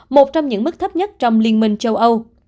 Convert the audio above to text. một trong những mức thấp nhất trong liên minh châu âu